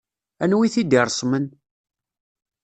Anwa i t-id-iṛesmen?